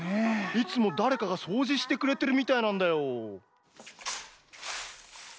いつもだれかがそうじしてくれてるみたいなんだよ。